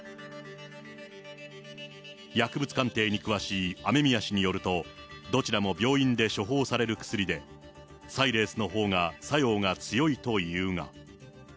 薬物鑑定に詳しい雨宮氏によると、どちらも病院で処方される薬で、サイレースのほうが作用が強いというが。